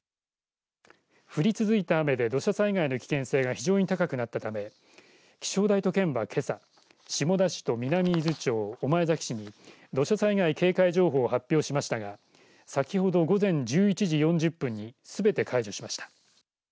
降り続いた雨で土砂災害の危険性が非常に高くなったため気象台と県はけさ下田市と南伊豆町御前崎市に土砂災害警戒情報を発表しましたが先ほど午前１１時４０分にすべて解除しました。